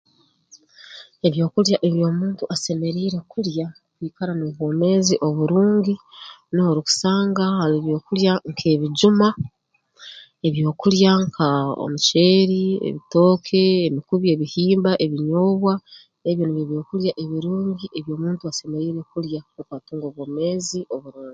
Ebyokulya ebi omuntu asemeriire kulya kwikara n'obwomeezi oburungi nuho orukusanga haroho ebyokulya nk'ebijuma ebyokulya nka omuceeri ebitooke emikubi ebihimba ebinyoobwa ebyo nibyo byokulya ebirungi ebi omuntu asemeriire kulya nukwo atunge obwomeezi oburungi